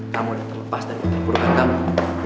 kamu sudah terlepas dari keburukan kamu